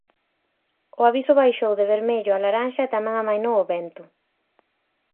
O aviso baixou de vermello a laranxa e tamén amainou o vento.